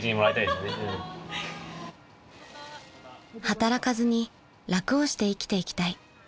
［働かずに楽をして生きていきたい］